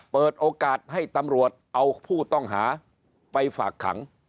เปิดโอกาสให้ตำรวจเอาผู้ต้องหาไปฝากขัง